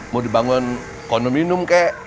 mau dibangun kondominium kek